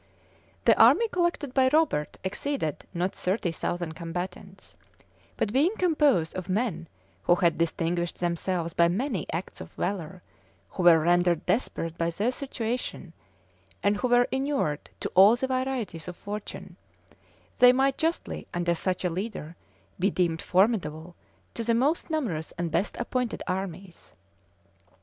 The army collected by Robert exceeded not thirty thousand combatants; but being composed of men who had distinguished themselves by many acts of valor, who were rendered desperate by their situation, and who were inured to all the varieties of fortune, they might justly, under such a leader, be deemed formidable to the most numerous and best appointed armies.